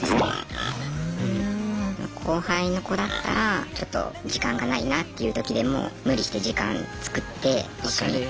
後輩の子だったらちょっと時間がないなっていうときでも無理して時間作って分かるよ。